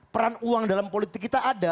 peran uang dalam politik kita ada